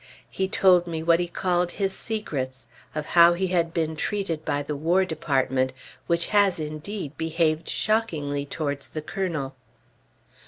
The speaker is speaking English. He told me what he called his secrets; of how he had been treated by the War Department (which has, indeed, behaved shockingly towards the Colonel).